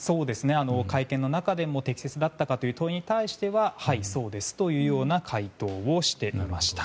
会見の中でも適切だったのかという問いについてはそうですと回答していました。